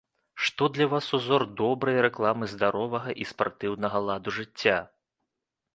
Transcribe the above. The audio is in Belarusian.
Што для вас ўзор добрай рэкламы здаровага і спартыўнага ладу жыцця?